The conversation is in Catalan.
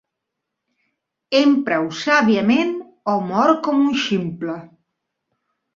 Empra-ho sàviament o mor com un ximple.